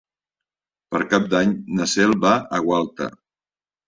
Per Cap d'Any na Cel va a Gualta.